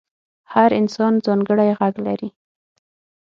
هر انسان ځانګړی غږ لري.